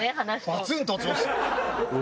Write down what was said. バツンと落ちましたよ。